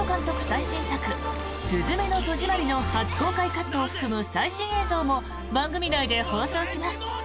最新作「すずめの戸締まり」の初公開カットを含む最新映像も番組内で放送します。